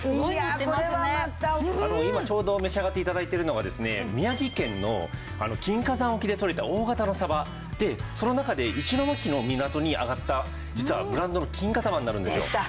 あの今ちょうど召し上がって頂いてるのがですね宮城県の金華山沖で取れた大型のさばでその中で石巻の港に揚がった実はブランドの金華さばになるんですよ。